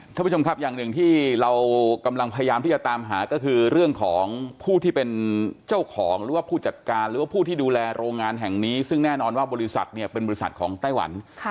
ท่านผู้ชมครับอย่างหนึ่งที่เรากำลังพยายามที่จะตามหาก็คือเรื่องของผู้ที่เป็นเจ้าของหรือว่าผู้จัดการหรือว่าผู้ที่ดูแลโรงงานแห่งนี้ซึ่งแน่นอนว่าบริษัทเนี่ยเป็นบริษัทของไต้หวัน